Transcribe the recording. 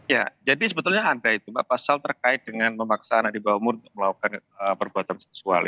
ya jadi sebetulnya ada itu mbak pasal terkait dengan memaksa anak di bawah umur untuk melakukan perbuatan seksual